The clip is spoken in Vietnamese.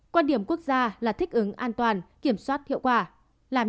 quan điểm quốc gia là thích ứng an toàn kiểm soát hiệu quả